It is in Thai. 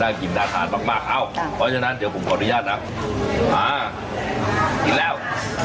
น่ากินน่าทานมากเอ้าโอ้ยฉะนั้นเดี๋ยวผมขออนุญาตนะอากินแล้ว